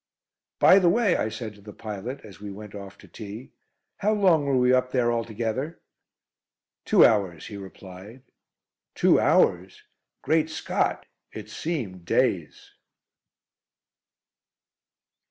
"By the way," I said to the pilot, as we went off to tea, "how long were we up there altogether?" "Two hours," he replied. Two hours! Great Scott! It seemed days!